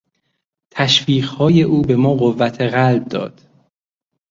تشویقهای او به ما قوت قلب داد.